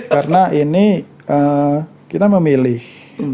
karena ini kita memilih